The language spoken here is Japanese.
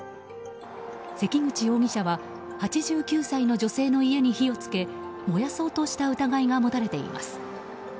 関口容疑者は８９歳の女性の家に火を付け燃やそうとした疑いが持たれています。